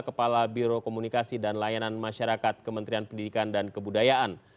kepala biro komunikasi dan layanan masyarakat kementerian pendidikan dan kebudayaan